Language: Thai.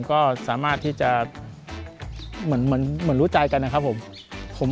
ก็สามารถที่จะเหมือนรู้ใจกันนะครับผม